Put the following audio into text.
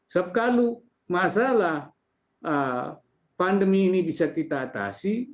setelah masalah pandemi ini bisa kita atasi